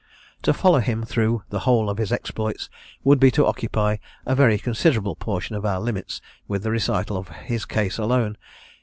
To follow him through the whole of his exploits would be to occupy a very considerable portion of our limits with the recital of his case alone.